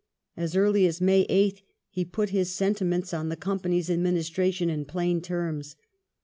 As early as May 8th he put his sentiments on the Company's adminis tration in plain terms.